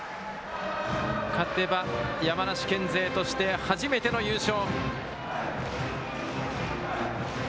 勝てば山梨県勢として初めての優勝。